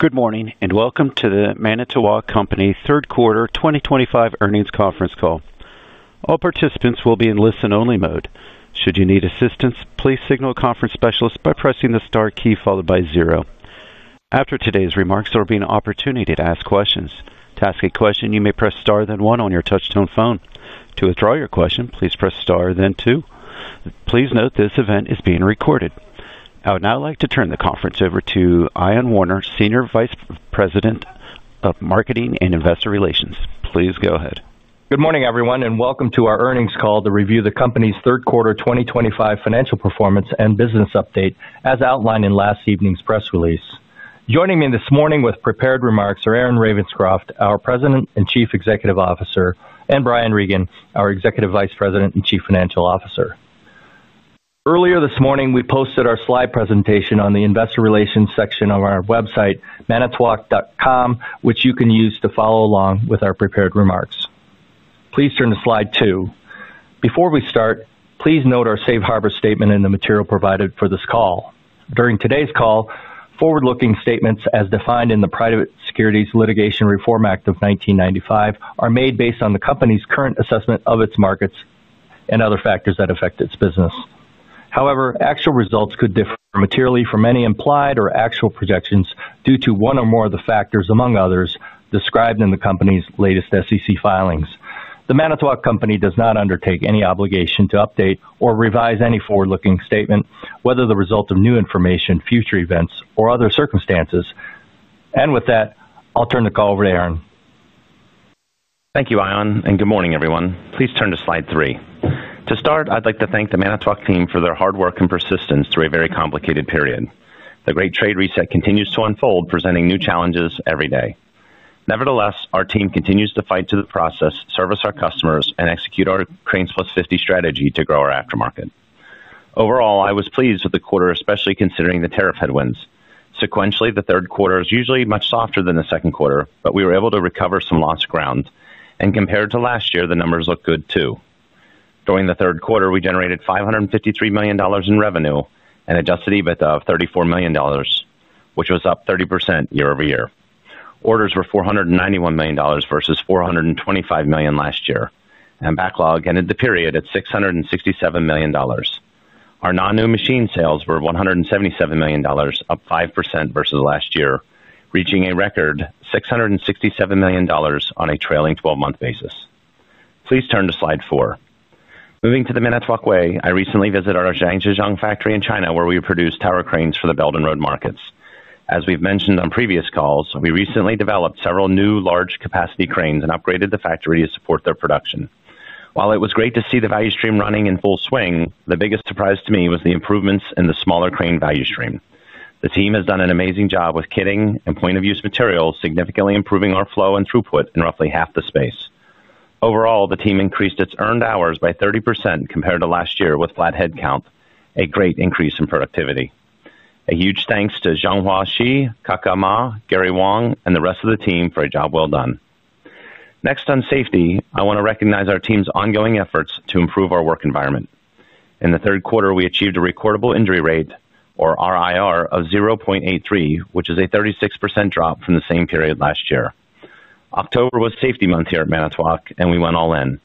Good morning and welcome to the Manitowoc Company Third Quarter 2025 Earnings Conference Call. All participants will be in listen-only mode. Should you need assistance, please signal a conference specialist by pressing the star key followed by zero. After today's remarks, there will be an opportunity to ask questions. To ask a question, you may press star then one on your touch-tone phone. To withdraw your question, please press star then two. Please note this event is being recorded. I would now like to turn the conference over to Ion Warner, Senior Vice President of Marketing and Investor Relations. Please go ahead. Good morning, everyone, and welcome to our earnings call to review the company's third quarter 2025 financial performance and business update as outlined in last evening's press release. Joining me this morning with prepared remarks are Aaron Ravenscroft, our President and Chief Executive Officer, and Brian Regan, our Executive Vice President and Chief Financial Officer. Earlier this morning, we posted our slide presentation on the Investor Relations section of our website, manitowoc.com, which you can use to follow along with our prepared remarks. Please turn to slide two. Before we start, please note our safe harbor statement in the material provided for this call. During today's call, forward-looking statements, as defined in the Private Securities Litigation Reform Act of 1995, are made based on the company's current assessment of its markets and other factors that affect its business. However, actual results could differ materially from any implied or actual projections due to one or more of the factors, among others, described in the company's latest SEC filings. The Manitowoc Company does not undertake any obligation to update or revise any forward-looking statement, whether the result of new information, future events, or other circumstances. With that, I'll turn the call over to Aaron. Thank you, Ion, and good morning, everyone. Please turn to slide three. To start, I'd like to thank the Manitowoc team for their hard work and persistence through a very complicated period. The Great Trade Reset continues to unfold, presenting new challenges every day. Nevertheless, our team continues to fight through the process, service our customers, and execute our Crane Plus 50 strategy to grow our aftermarket. Overall, I was pleased with the quarter, especially considering the tariff headwinds. Sequentially, the third quarter is usually much softer than the second quarter, but we were able to recover some lost ground. Compared to last year, the numbers look good too. During the third quarter, we generated $553 million in revenue and adjusted EBITDA of $34 million, which was up 30% year over year. Orders were $491 million versus $425 million last year, and backlog ended the period at $667 million. Our non-new machine sales were $177 million, up 5% versus last year, reaching a record $667 million on a trailing 12-month basis. Please turn to slide four. Moving to the Manitowoc way, I recently visited our Zhangjiagang factory in China, where we produce tower cranes for the Belt and Road markets. As we've mentioned on previous calls, we recently developed several new large-capacity cranes and upgraded the factory to support their production. While it was great to see the value stream running in full swing, the biggest surprise to me was the improvements in the smaller crane value stream. The team has done an amazing job with kitting and point-of-use materials, significantly improving our flow and throughput in roughly half the space. Overall, the team increased its earned hours by 30% compared to last year with flat head count, a great increase in productivity. A huge thanks to Zhang Huaxi, Kaka Ma, Gary Wang, and the rest of the team for a job well done. Next, on safety, I want to recognize our team's ongoing efforts to improve our work environment. In the third quarter, we achieved a recordable injury rate, or RIR, of 0.83, which is a 36% drop from the same period last year. October was safety month here at Manitowoc, and we went all in.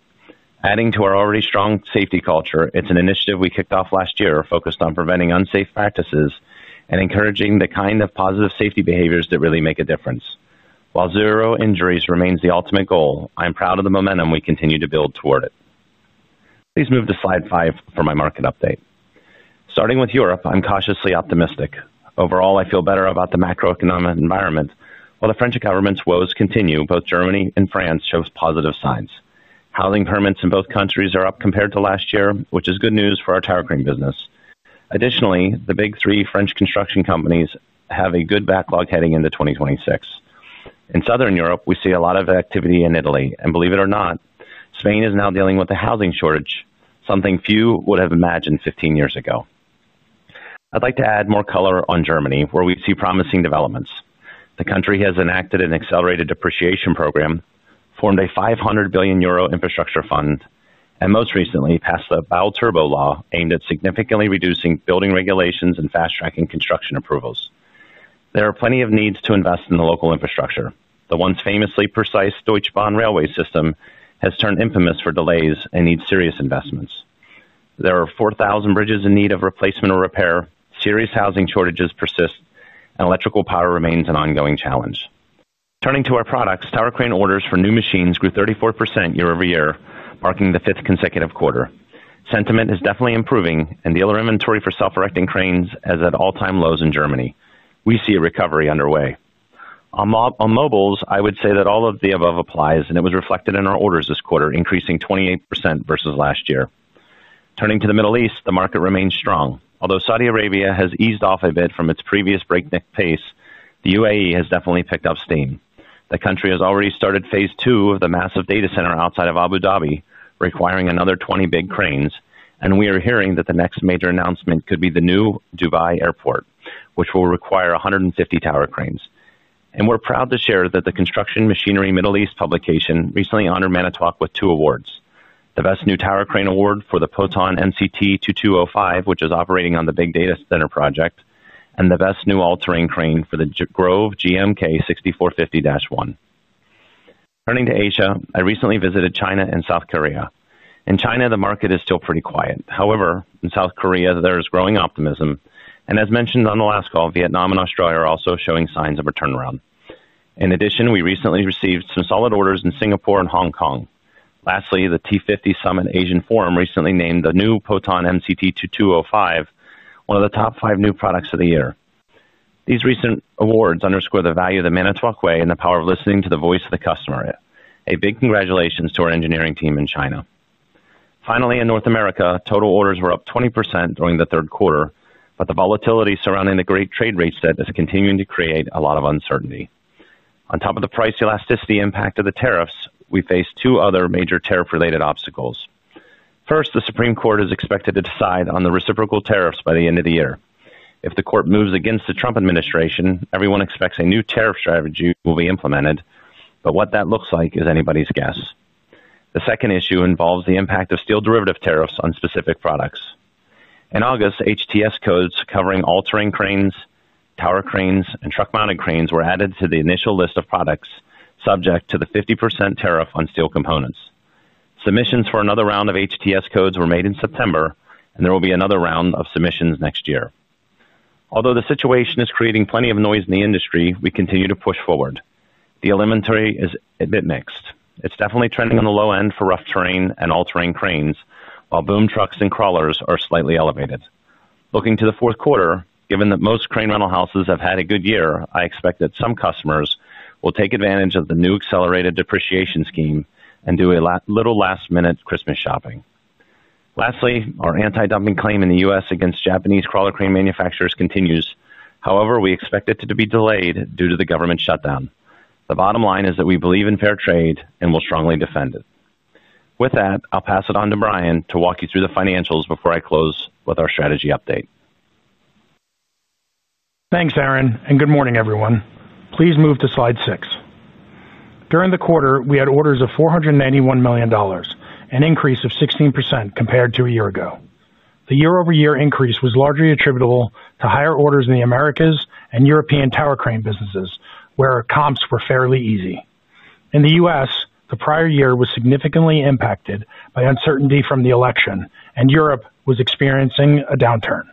Adding to our already strong safety culture, it is an initiative we kicked off last year focused on preventing unsafe practices and encouraging the kind of positive safety behaviors that really make a difference. While zero injuries remains the ultimate goal, I am proud of the momentum we continue to build toward it. Please move to slide five for my market update. Starting with Europe, I am cautiously optimistic. Overall, I feel better about the macroeconomic environment. While the French government's woes continue, both Germany and France show positive signs. Housing permits in both countries are up compared to last year, which is good news for our tower crane business. Additionally, the big three French construction companies have a good backlog heading into 2026. In southern Europe, we see a lot of activity in Italy, and believe it or not, Spain is now dealing with a housing shortage, something few would have imagined 15 years ago. I'd like to add more color on Germany, where we see promising developments. The country has enacted an accelerated depreciation program, formed a 500 billion euro infrastructure fund, and most recently passed the Bau-Turbo law aimed at significantly reducing building regulations and fast-tracking construction approvals. There are plenty of needs to invest in the local infrastructure. The once famously precise Deutsche Bahn railway system has turned infamous for delays and needs serious investments. There are 4,000 bridges in need of replacement or repair, serious housing shortages persist, and electrical power remains an ongoing challenge. Turning to our products, tower crane orders for new machines grew 34% year over year, marking the fifth consecutive quarter. Sentiment is definitely improving, and dealer inventory for self-erecting cranes is at all-time lows in Germany. We see a recovery underway. On mobiles, I would say that all of the above applies, and it was reflected in our orders this quarter, increasing 28% versus last year. Turning to the Middle East, the market remains strong. Although Saudi Arabia has eased off a bit from its previous breakneck pace, the UAE has definitely picked up steam. The country has already started phase two of the massive data center outside of Abu Dhabi, requiring another 20 big cranes, and we are hearing that the next major announcement could be the new Dubai airport, which will require 150 tower cranes. We are proud to share that the Construction Machinery Middle East publication recently honored Manitowoc with two awards: the best new tower crane award for the Potain MCT 2205, which is operating on the big data center project, and the best new all-terrain crane for the Grove GMK 6450-1. Turning to Asia, I recently visited China and South Korea. In China, the market is still pretty quiet. However, in South Korea, there is growing optimism, and as mentioned on the last call, Vietnam and Australia are also showing signs of a turnaround. In addition, we recently received some solid orders in Singapore and Hong Kong. Lastly, the T50 Summit Asian Forum recently named the new Potain MCT 2205 one of the top five new products of the year. These recent awards underscore the value of the Manitowoc way and the power of listening to the voice of the customer. A big congratulations to our engineering team in China. Finally, in North America, total orders were up 20% during the third quarter, but the volatility surrounding the Great Trade Reset is continuing to create a lot of uncertainty. On top of the price elasticity impact of the tariffs, we face two other major tariff-related obstacles. First, the Supreme Court is expected to decide on the reciprocal tariffs by the end of the year. If the court moves against the Trump administration, everyone expects a new tariff strategy will be implemented, but what that looks like is anybody's guess. The second issue involves the impact of steel derivative tariffs on specific products. In August, HTS codes covering all-terrain cranes, tower cranes, and truck-mounted cranes were added to the initial list of products, subject to the 50% tariff on steel components. Submissions for another round of HTS codes were made in September, and there will be another round of submissions next year. Although the situation is creating plenty of noise in the industry, we continue to push forward. The inventory is a bit mixed. It's definitely trending on the low end for rough terrain and all-terrain cranes, while boom trucks and crawlers are slightly elevated. Looking to the fourth quarter, given that most crane rental houses have had a good year, I expect that some customers will take advantage of the new accelerated depreciation scheme and do a little last-minute Christmas shopping. Lastly, our anti-dumping claim in the U.S. against Japanese crawler crane manufacturers continues. However, we expect it to be delayed due to the government shutdown. The bottom line is that we believe in fair trade and will strongly defend it. With that, I'll pass it on to Brian to walk you through the financials before I close with our strategy update. Thanks, Aaron, and good morning, everyone. Please move to slide six. During the quarter, we had orders of $491 million, an increase of 16% compared to a year ago. The year-over-year increase was largely attributable to higher orders in the Americas and European tower crane businesses, where comps were fairly easy. In the U.S., the prior year was significantly impacted by uncertainty from the election, and Europe was experiencing a downturn.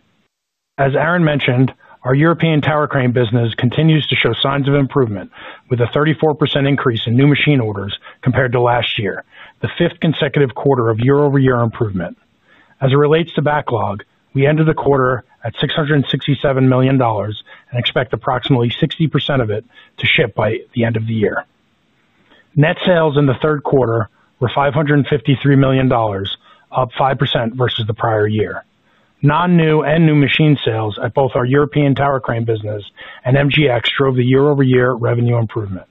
As Aaron mentioned, our European tower crane business continues to show signs of improvement, with a 34% increase in new machine orders compared to last year, the fifth consecutive quarter of year-over-year improvement. As it relates to backlog, we ended the quarter at $667 million and expect approximately 60% of it to ship by the end of the year. Net sales in the third quarter were $553 million, up 5% versus the prior year. Non-new and new machine sales at both our European tower crane business and MGX drove the year-over-year revenue improvement.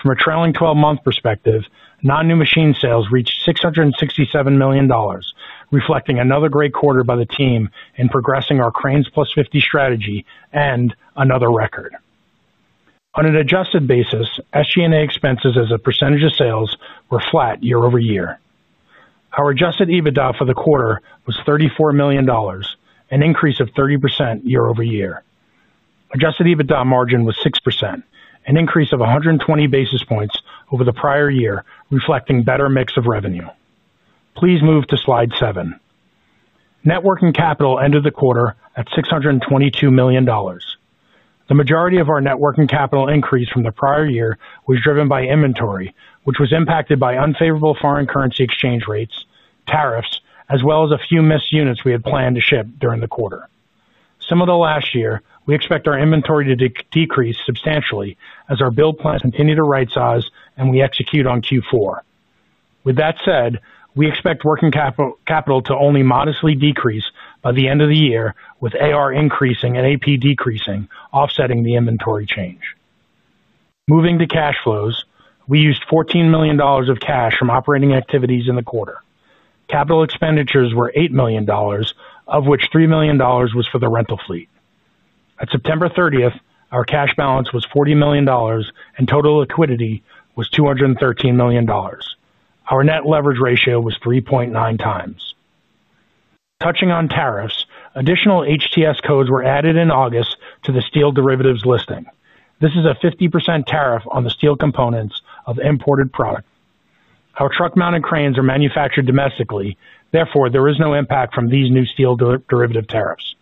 From a trailing 12-month perspective, non-new machine sales reached $667 million, reflecting another great quarter by the team in progressing our Crane Plus 50 strategy and another record. On an adjusted basis, SG&A expenses as a percentage of sales were flat year-over-year. Our adjusted EBITDA for the quarter was $34 million, an increase of 30% year-over-year. Adjusted EBITDA margin was 6%, an increase of 120 basis points over the prior year, reflecting a better mix of revenue. Please move to slide seven. Net working capital ended the quarter at $622 million. The majority of our net working capital increase from the prior year was driven by inventory, which was impacted by unfavorable foreign currency exchange rates, tariffs, as well as a few missed units we had planned to ship during the quarter. Similar to last year, we expect our inventory to decrease substantially as our build plans continue to right-size and we execute on Q4. With that said, we expect working capital to only modestly decrease by the end of the year, with AR increasing and AP decreasing, offsetting the inventory change. Moving to cash flows, we used $14 million of cash from operating activities in the quarter. Capital expenditures were $8 million, of which $3 million was for the rental fleet. At September 30, our cash balance was $40 million and total liquidity was $213 million. Our net leverage ratio was 3.9 times. Touching on tariffs, additional HTS codes were added in August to the steel derivatives listing. This is a 50% tariff on the steel components of imported products. Our truck-mounted cranes are manufactured domestically. Therefore, there is no impact from these new steel derivative tariffs.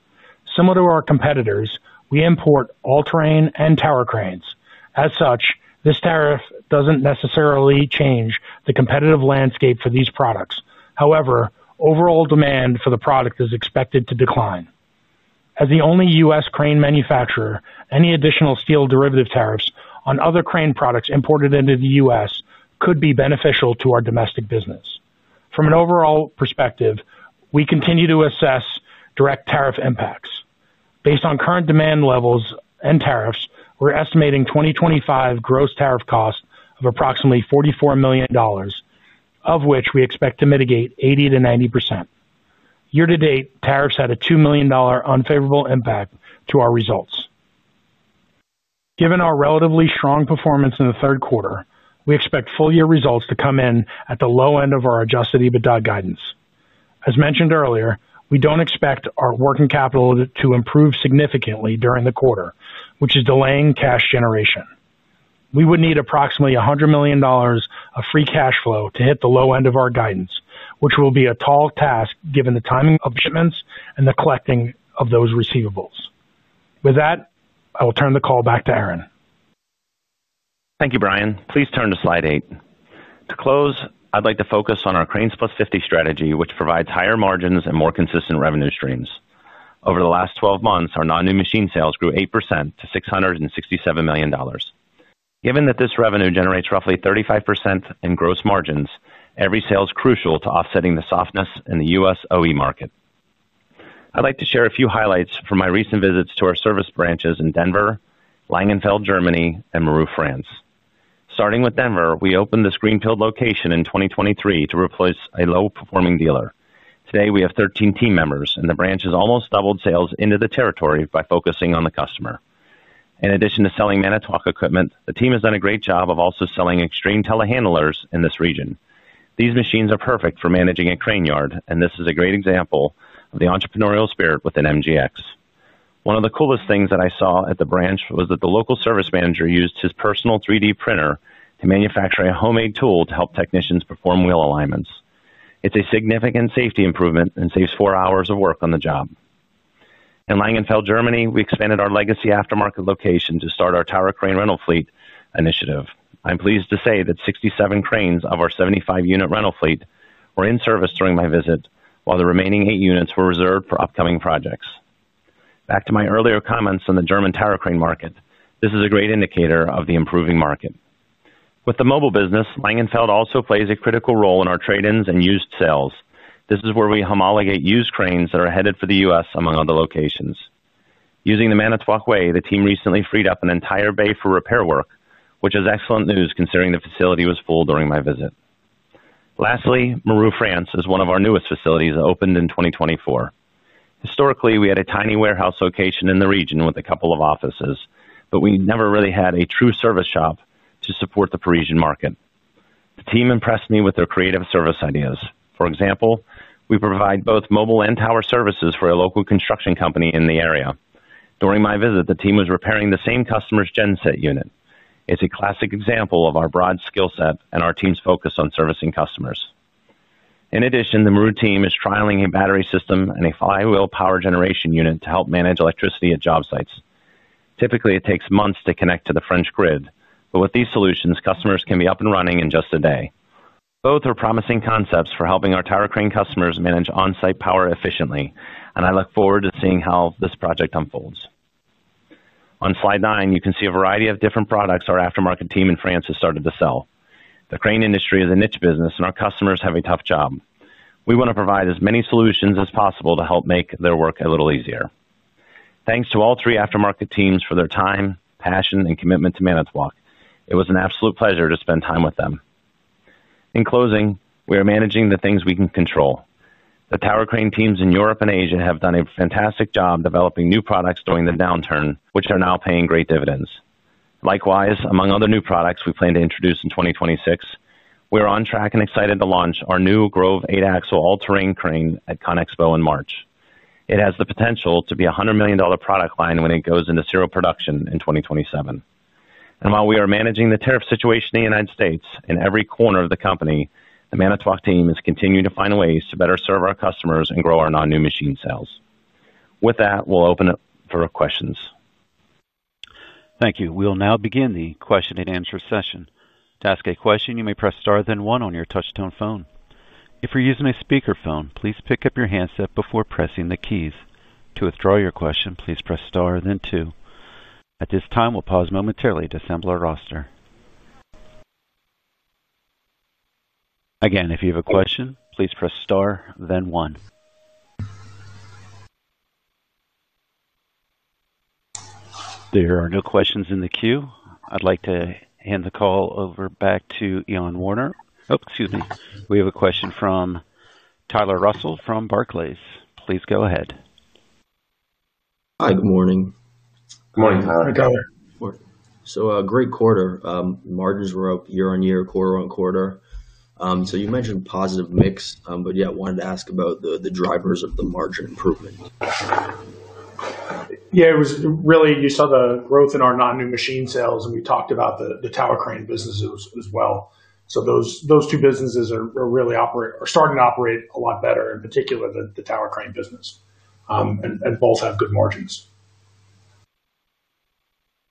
Similar to our competitors, we import all-terrain and tower cranes. As such, this tariff does not necessarily change the competitive landscape for these products. However, overall demand for the product is expected to decline. As the only U.S. crane manufacturer, any additional steel derivative tariffs on other crane products imported into the U.S. could be beneficial to our domestic business. From an overall perspective, we continue to assess direct tariff impacts. Based on current demand levels and tariffs, we are estimating 2025 gross tariff costs of approximately $44 million, of which we expect to mitigate 80%-90%. Year-to-date, tariffs had a $2 million unfavorable impact to our results. Given our relatively strong performance in the third quarter, we expect full-year results to come in at the low end of our adjusted EBITDA guidance. As mentioned earlier, we don't expect our working capital to improve significantly during the quarter, which is delaying cash generation. We would need approximately $100 million of free cash flow to hit the low end of our guidance, which will be a tall task given the timing of shipments and the collecting of those receivables. With that, I will turn the call back to Aaron. Thank you, Brian. Please turn to slide eight. To close, I'd like to focus on our Crane Plus 50 strategy, which provides higher margins and more consistent revenue streams. Over the last 12 months, our non-new machine sales grew 8% to $667 million. Given that this revenue generates roughly 35% in gross margins, every sale is crucial to offsetting the softness in the U.S. OE market. I'd like to share a few highlights from my recent visits to our service branches in Denver, Langenfeld, Germany, and Méru, France. Starting with Denver, we opened the Springfield location in 2023 to replace a low-performing dealer. Today, we have 13 team members, and the branch has almost doubled sales into the territory by focusing on the customer. In addition to selling Manitowoc equipment, the team has done a great job of also selling Xtreme telehandlers in this region. These machines are perfect for managing a crane yard, and this is a great example of the entrepreneurial spirit within MGX. One of the coolest things that I saw at the branch was that the local service manager used his personal 3D printer to manufacture a homemade tool to help technicians perform wheel alignments. It's a significant safety improvement and saves four hours of work on the job. In Langenfeld, Germany, we expanded our legacy aftermarket location to start our tower crane rental fleet initiative. I'm pleased to say that 67 cranes of our 75-unit rental fleet were in service during my visit, while the remaining eight units were reserved for upcoming projects. Back to my earlier comments on the German tower crane market, this is a great indicator of the improving market. With the mobile business, Langenfeld also plays a critical role in our trade-ins and used sales. This is where we homologate used cranes that are headed for the U.S. among other locations. Using the Manitowoc Way, the team recently freed up an entire bay for repair work, which is excellent news considering the facility was full during my visit. Lastly, Méru, France, is one of our newest facilities that opened in 2024. Historically, we had a tiny warehouse location in the region with a couple of offices, but we never really had a true service shop to support the Parisian market. The team impressed me with their creative service ideas. For example, we provide both mobile and tower services for a local construction company in the area. During my visit, the team was repairing the same customer's genset unit. It's a classic example of our broad skill set and our team's focus on servicing customers. In addition, the Méru team is trialing a battery system and a five-wheel power generation unit to help manage electricity at job sites. Typically, it takes months to connect to the French grid, but with these solutions, customers can be up and running in just a day. Both are promising concepts for helping our tower crane customers manage on-site power efficiently, and I look forward to seeing how this project unfolds. On slide nine, you can see a variety of different products our aftermarket team in France has started to sell. The crane industry is a niche business, and our customers have a tough job. We want to provide as many solutions as possible to help make their work a little easier. Thanks to all three aftermarket teams for their time, passion, and commitment to Manitowoc. It was an absolute pleasure to spend time with them. In closing, we are managing the things we can control. The tower crane teams in Europe and Asia have done a fantastic job developing new products during the downturn, which are now paying great dividends. Likewise, among other new products we plan to introduce in 2026, we are on track and excited to launch our new Grove 8-axle all-terrain crane at ConExpo in March. It has the potential to be a $100 million product line when it goes into serial production in 2027. While we are managing the tariff situation in the United States in every corner of the company, the Manitowoc team is continuing to find ways to better serve our customers and grow our non-new machine sales. With that, we'll open it for questions. Thank you. We will now begin the question and answer session. To ask a question, you may press star then one on your touch-tone phone. If you're using a speakerphone, please pick up your handset before pressing the keys. To withdraw your question, please press star then two. At this time, we'll pause momentarily to assemble our roster. Again, if you have a question, please press star then one. There are no questions in the queue. I'd like to hand the call over back to Ion Warner. Oh, excuse me. We have a question from Tyler Russell from Barclays. Please go ahead. Hi, good morning. Good morning, Tyler. Hi, Tyler. Great quarter. Margins were up year-on-year, quarter-on-quarter. You mentioned positive mix, but yeah, wanted to ask about the drivers of the margin improvement. Yeah, it was really you saw the growth in our non-new machine sales, and we talked about the tower crane business as well. Those two businesses are really starting to operate a lot better, in particular, than the tower crane business. Both have good margins.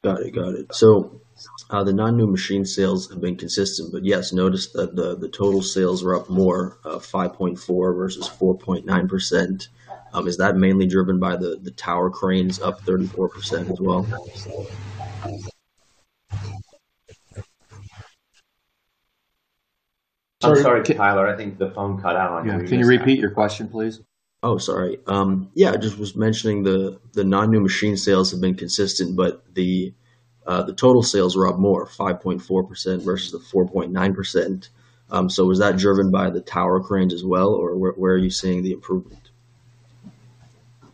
Got it. Got it. So the non-new machine sales have been consistent, but yes, notice that the total sales were up more, 5.4% versus 4.9%. Is that mainly driven by the tower cranes up 34% as well? Sorry, Tyler. I think the phone cut out on you. Can you repeat your question, please? Oh, sorry. Yeah, I just was mentioning the non-new machine sales have been consistent, but the total sales were up more, 5.4% versus the 4.9%. Was that driven by the tower cranes as well, or where are you seeing the improvement?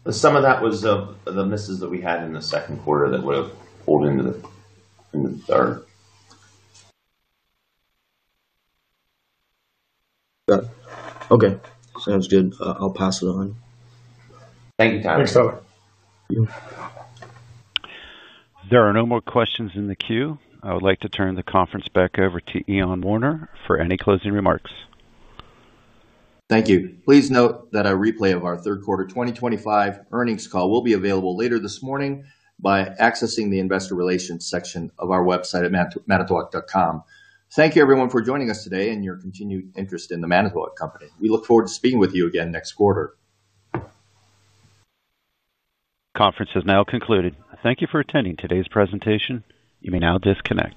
Some of that was the misses that we had in the second quarter that would have pulled into the third. Got it. Okay. Sounds good. I'll pass it on. Thank you, Tyler. Thanks, Tyler. There are no more questions in the queue. I would like to turn the conference back over to Ion Warner for any closing remarks. Thank you. Please note that a replay of our third-quarter 2025 earnings call will be available later this morning by accessing the investor relations section of our website at manitowoc.com. Thank you, everyone, for joining us today and your continued interest in the Manitowoc Company. We look forward to speaking with you again next quarter. Conference is now concluded. Thank you for attending today's presentation. You may now disconnect.